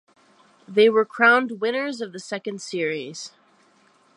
They were crowned winners of the second series.